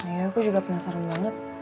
ya aku juga penasaran banget